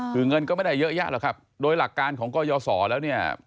คือเงินก็ไม่ได้เยอะแยะหรอกครับโดยหลักการของกยศรแล้วเนี่ย